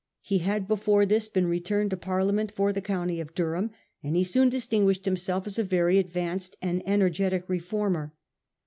He had before this been returned to Parliament for the county of Durham, and he soon distinguished himself as a very advanced and energetic reformer.